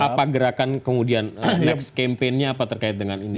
apa gerakan kemudian next campaign nya apa terkait dengan ini